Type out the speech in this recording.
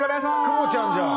クボちゃんじゃん！